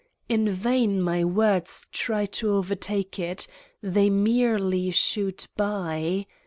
In vain my words try to overtake it : they merely shoot by.